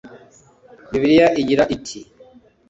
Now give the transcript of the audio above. bibiliya igira iti